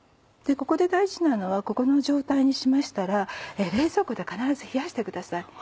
ここで大事なのはここの状態にしましたら冷蔵庫で必ず冷やしてください。